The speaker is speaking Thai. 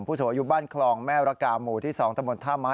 ผู้สูงอายุบ้านคลองแม่ระกาหมู่ที่๒ตมถ้าม้าย